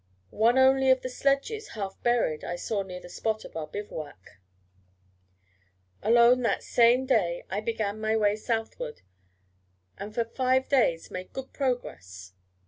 One only of the sledges, half buried, I saw near the spot of our bivouac. Alone that same day I began my way southward, and for five days made good progress.